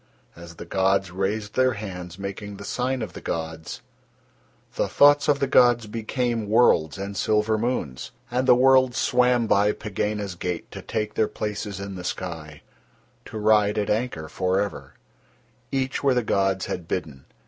as the gods raised Their hands making the sign of the gods, the thoughts of the gods became worlds and silver moons. And the worlds swam by Pegāna's gate to take their places in the sky, to ride at anchor for ever, each where the gods had bidden.